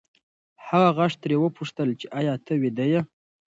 هغه غږ ترې وپوښتل چې ایا ته ویده یې؟